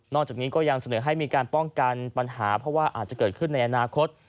จากนี้ก็ยังเสนอให้มีการป้องกันปัญหาเพราะว่าอาจจะเกิดขึ้นในอนาคต